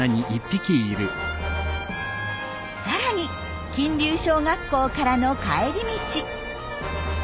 さらに金竜小学校からの帰り道。